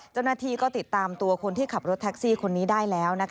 เจ้าหน้าที่ก็ติดตามตัวคนที่ขับรถแท็กซี่คนนี้ได้แล้ว